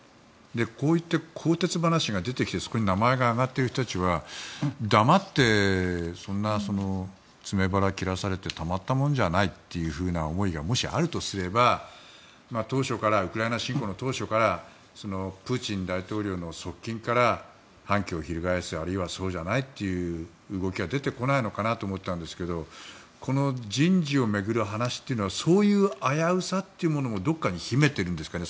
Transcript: こうやって更迭話が出てそこに名前が挙がっている人たちは黙ってそんな詰め腹切らされてたまったもんじゃないという思いがもしあるとすればウクライナ侵攻の当初からプーチン大統領の側近から反旗を翻すあるいはそうじゃないという動きが出てこないのかなと思ったんですけどこの人事を巡る話というのはそういう危うさというものもどこかに秘めているんですかね。